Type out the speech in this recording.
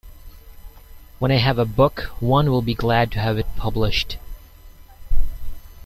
When I have a book one will be glad to have it published.